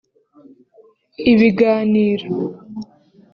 Ibiganiro